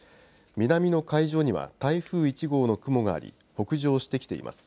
南の海上には台風１号の雲があり北上してきています。